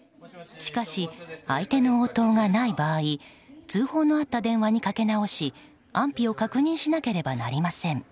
しかし、相手の応答がない場合通報のあった電話に掛け直し安否を確認しなければなりません。